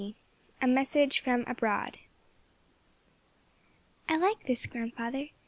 A MESSAGE FROM ABROAD. "I LIKE this, grandfather.